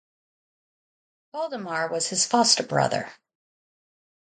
Valdemar was his foster brother.